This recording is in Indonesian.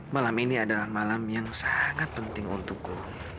malam ini adalah malam yang sangat penting untukku